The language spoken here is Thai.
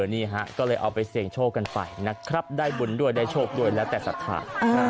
นี่ฮะก็เลยเอาไปเสี่ยงโชคกันไปนะครับได้บุญด้วยได้โชคด้วยแล้วแต่ศรัทธา